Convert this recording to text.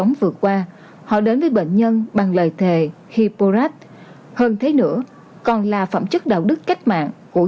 nhỏ qua họ đến với bệnh nhân bằng lời thề hipporat hơn thế nữa còn là phẩm chất đạo đức cách mạng của